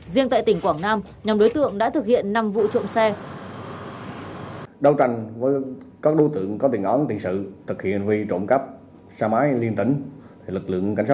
riêng tại tỉnh quảng nam nhóm đối tượng đã thực hiện năm vụ trộm xe